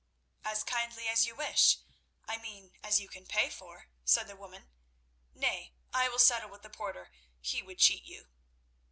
"As kindly as you wish—I mean as you can pay for," said the woman. "Nay, I will settle with the porter; he would cheat you."